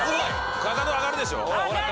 かかと上がるでしょ？